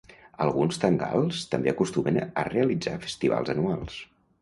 Alguns Thangals també acostumen a realitzar festivals anuals.